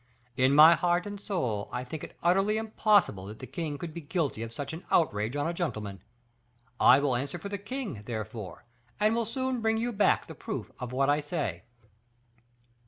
In my heart and soul I think it utterly impossible that the king could be guilty of such an outrage on a gentleman. I will answer for the king, therefore, and will soon bring you back the proof of what I say."